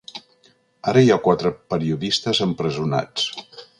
Ara hi ha quatre periodistes empresonats.